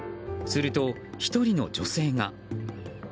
すると１人の女性が。